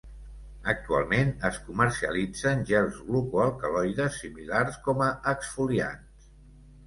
Actualment es comercialitzen gels glucoalcaloides similars com a exfoliants.